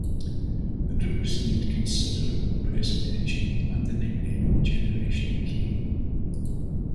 The group received considerable press attention and the nickname "Generation K".